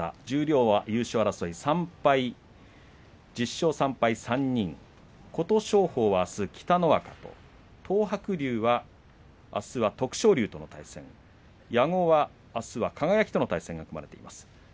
十両優勝争いは３敗で１０勝３敗が３人琴勝峰は、あす北の若東白龍、あすは徳勝龍との対戦矢後はあすは輝との対戦が組まれています。